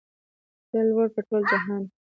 ته لوړ په ټول جهان